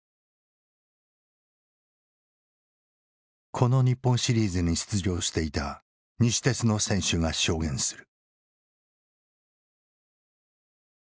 この日本シリーズに出場していた西鉄の選手が証言する。